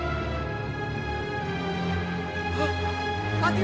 tanya tanya terus jangan